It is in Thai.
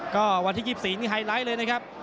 ก็วันที่๒๔นี่ไฮไลท์เลยนะครับ